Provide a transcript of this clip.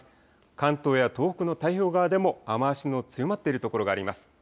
関東や東北の太平洋側でも雨足の強まっている所があります。